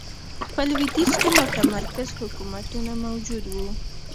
په لوېدیځ کې متمرکز حکومتونه موجود و.